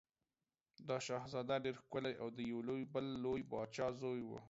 دا شهزاده ډېر ښکلی او د یو بل لوی پاچا زوی و.